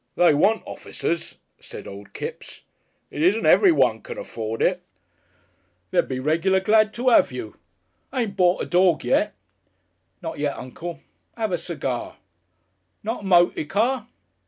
They want officers," said old Kipps. "It isn't everyone can afford it. They'd be regular glad to 'ave you.... Ain't bort a dog yet?" "Not yet, uncle. 'Ave a segar?" "Not a moty car?"